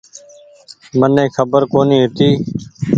مني کبر ڪونيٚ هيتي ۔